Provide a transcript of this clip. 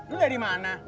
lo dari mana